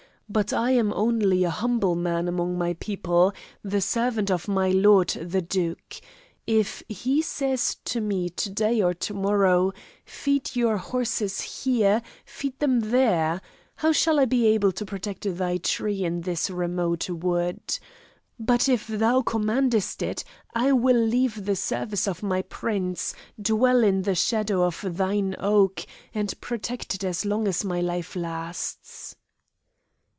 But I am only a humble man among my people, the servant of my lord the duke. If he says to me to day or to morrow, 'feed your horses here, feed them there,' how shall I be able to protect thy tree in this remote wood? But if thou commandest it I will leave the service of my prince, dwell in the shadow of thine oak, and protect it as long as my life lasts."